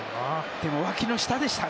でも脇の下でした。